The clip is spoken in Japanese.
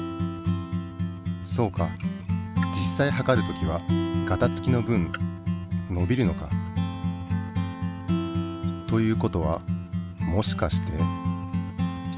そうか実際はかる時はガタつきの分のびるのか。ということはもしかして。